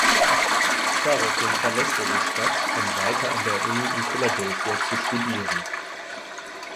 Daraufhin verlässt er die Stadt, um weiter an der Uni in Philadelphia zu studieren.